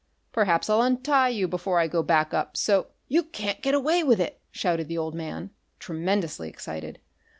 Perhaps I'll untie you before I go back up, so " "You can't get away with it!" shouted the old man, tremendously excited.